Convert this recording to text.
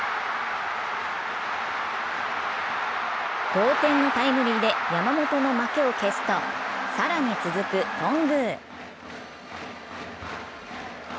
同点のタイムリーで山本の負けを消すと、更に続く頓宮。